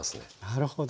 なるほど。